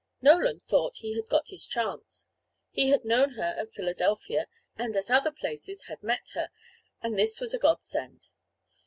Nolan thought he had got his chance. He had known her at Philadelphia, and at other places had met her, and this was a godsend.